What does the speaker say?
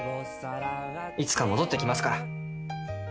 いつか戻ってきますから。